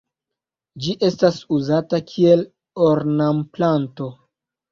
Ĝi estas uzata kiel ornamplanto.